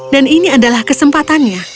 dan ini adalah kesempatannya